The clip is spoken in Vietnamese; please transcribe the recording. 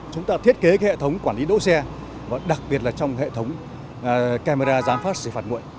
chúng ta thiết kế hệ thống quản lý đỗ xe và đặc biệt là trong hệ thống camera giám sát xử phạt nguội